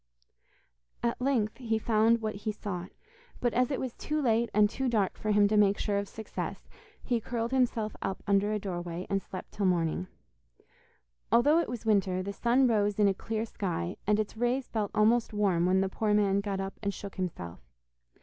At length he found what he sought, but as it was too late and too dark for him to make sure of success, he curled himself up under a doorway, and slept till morning. Although it was winter, the sun rose in a clear sky, and its rays felt almost warm when the poor man got up and shook himself.